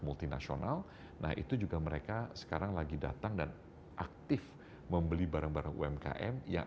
multinasional nah itu juga mereka sekarang lagi datang dan aktif membeli barang barang umkm yang